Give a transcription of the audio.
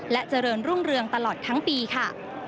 เจริญรุ่งเรืองตลอดทั้งปีค่ะ